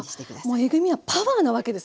もうえぐみはパワーなわけですね。